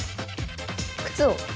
靴を。